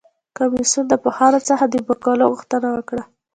کمیسیون د پوهانو څخه د مقالو غوښتنه وکړه.